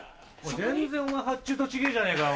全然発注と違ぇじゃねえかよ！